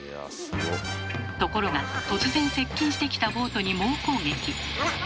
ところが突然接近してきたボートに猛攻撃。